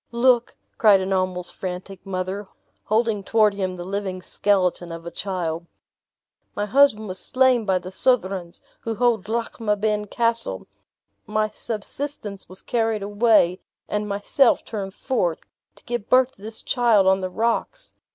"Look," cried an almost frantic mother, holding toward him the living skeleton of a child; "my husband was slain by the Southrons, who hold Lochmaben Castle; my subsistence was carried away, and myself turned forth, to give birth to this child on the rocks.